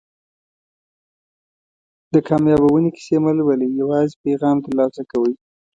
د کامیابیونې کیسې مه لولئ یوازې پیغام ترلاسه کوئ.